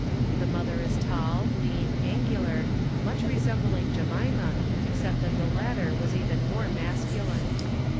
The mother is tall, lean, angular, much resembling Jemima, except that the latter was even more mascu line.